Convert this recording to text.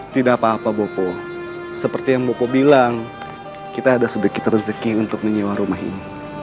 tidak apa apa boko seperti yang boko bilang kita ada sedikit rezeki untuk menyewa rumah ini